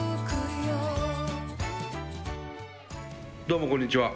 どうもこんにちは。